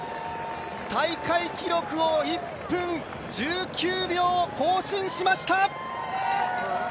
大会記録を１分１９秒更新しました！